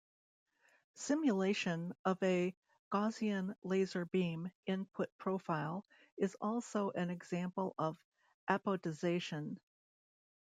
Simulation of a Gaussian laser beam input profile is also an example of apodization.